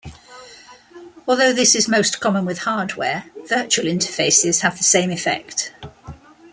Although this is most common with hardware, virtual interfaces have the same effect.